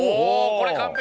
これ完璧！